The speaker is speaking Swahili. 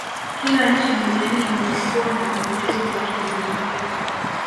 kila nchi duniani inakuwa na vivutio vyake vya utaliii